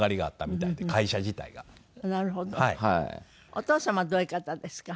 お父様はどういう方ですか？